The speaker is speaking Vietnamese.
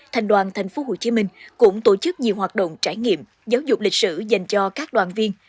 thành đoàn tp hcm cũng tổ chức nhiều hoạt động trải nghiệm giáo dục lịch sử dành cho các đoàn viên